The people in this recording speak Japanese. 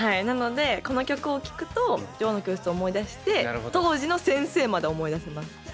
なのでこの曲を聴くと「女王の教室」を思い出して当時の先生まで思い出せます。